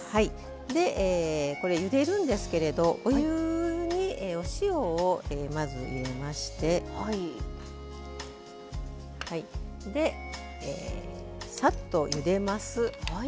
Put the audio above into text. でこれゆでるんですけれどお湯にお塩をまず入れましてでさっとゆでます。